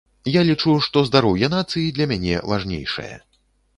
Я лічу, што здароўе нацыі для мяне важнейшае.